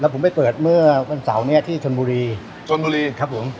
ผมไปเปิดเมื่อวันเสาร์เนี่ยที่ชนบุรีชนบุรีครับผม